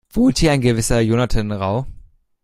Wohnt hier ein gewisser Jonathan Rau?